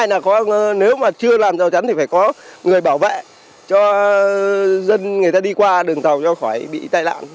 nếu mà chưa làm rào chắn thì phải có người bảo vệ cho dân người ta đi qua đường tàu ra khỏi bị tai nạn